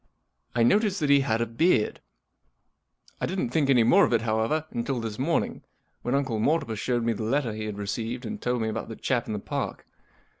I noticed that he had a beard. I didn't think any more of it, however, until this morning, when Uncle Mortimer showed me the letter he had received and told me about the chap in the Park.